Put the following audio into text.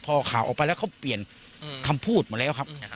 พอข่าวออกไปแล้วเขาเปลี่ยนคำพูดหมดแล้วครับ